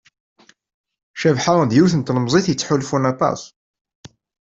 Cabḥa d yiwet n tlemẓit yettḥulfun aṭas.